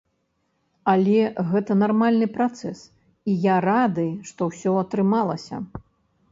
Але гэта нармальны працэс, і я рады, што ўсё атрымалася.